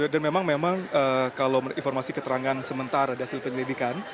dan memang kalau informasi keterangan sementara dari penyelidikan